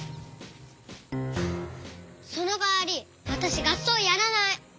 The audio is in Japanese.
そのかわりわたしがっそうやらない。